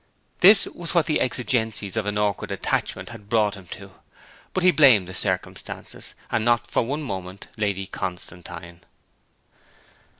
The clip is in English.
This was what the exigencies of an awkward attachment had brought him to; but he blamed the circumstances, and not for one moment Lady Constantine.